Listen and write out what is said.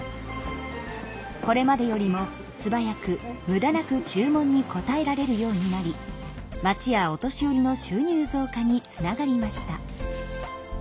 これまでよりもすばやくむだなく注文に応えられるようになり町やお年寄りの収入増加につながりました。